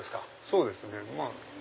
そうですね。